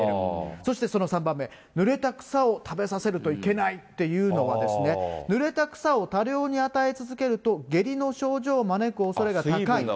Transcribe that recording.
そしてその３番目、ぬれた草を食べさせるといけないっていうのはですね、ぬれた草を多量に与え続けると、下痢の症状を招くおそれが高い。